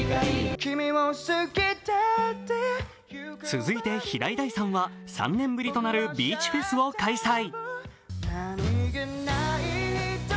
続いて平井大さんは３年ぶりとなるビーチフェスを開催。